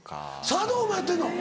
茶道もやってんの？